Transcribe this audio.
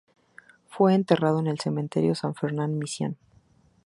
Fue enterrado en el Cementerio San Fernando Mission.